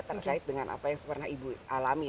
terkait dengan apa yang pernah ibu alami